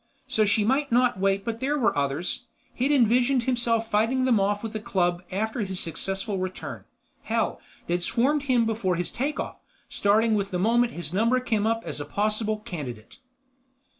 So she might not wait but there were others; he'd envisioned himself fighting them off with a club after his successful return. Hell, they'd swarmed him before his take off, starting with the moment his number had come up as possible candidate.